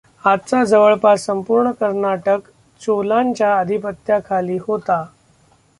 आजचा जवळपास संपूर्ण कर्नाटक चोलांच्या अधिपत्याखाली होता.